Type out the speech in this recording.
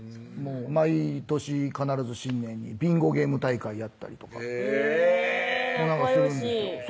毎年必ず新年にビンゴゲーム大会やったりとかへぇするんですよ